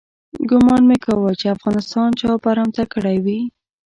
ګومان مې کاوه چې افغانستان چا برمته کړی وي.